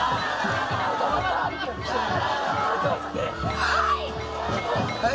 はい！